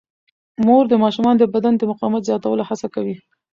مور د ماشومانو د بدن د مقاومت زیاتولو هڅه کوي.